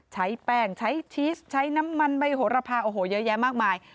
ใช้แป้งใช้ชีสใช้น้ำมันใบโหระพาโอ้โหเยอะแยะมากมาย